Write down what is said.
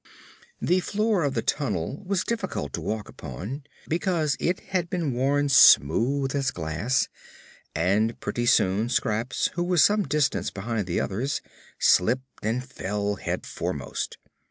The floor of the tunnel was difficult to walk upon because it had been worn smooth as glass, and pretty soon Scraps, who was some distance behind the others, slipped and fell head foremost.